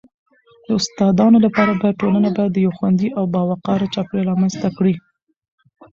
د استادانو لپاره باید ټولنه باید یو خوندي او باوقاره چاپیریال رامنځته کړي..